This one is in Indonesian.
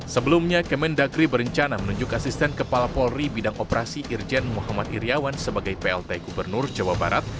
sebelumnya kemendagri berencana menunjuk asisten kepala polri bidang operasi irjen muhammad iryawan sebagai plt gubernur jawa barat